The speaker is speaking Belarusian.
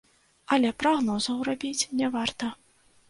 Але прагнозаў рабіць не варта.